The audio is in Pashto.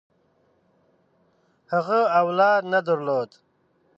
هغه اولاد نه درلود.